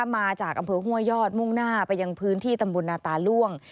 มาจากอำเภอห้วยยอดมุ่งหน้าไปยังพื้นที่ตำบลนาตาล่วง